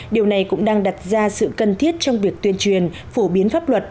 điều này cũng đang đặt ra sự cần thiết trong việc tuyên truyền phổ biến pháp luật